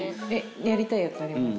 やりたいやつあります？